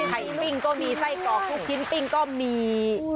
ไข่ปิงก็มีไส้กรอกผู้ชิ้นปิงก็มี